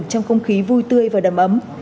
trong không khí vui tươi và đầm ấm